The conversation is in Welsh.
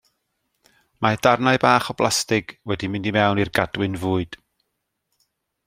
Mae darnau bach o blastig wedi mynd i mewn i'r gadwyn fwyd.